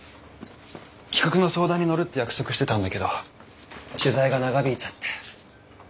企画の相談に乗るって約束してたんだけど取材が長引いちゃって。